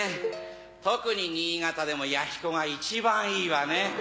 特に新潟でも弥彦が一番いいわね。